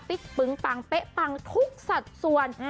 ฟิกปึ้งปังเป๊ะปังทุกสัตว์ส่วน